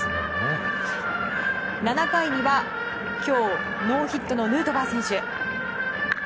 ７回には今日ノーヒットのヌートバー選手。